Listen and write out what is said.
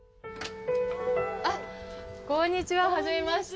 こんにちは、はじめまして。